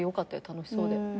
楽しそうで。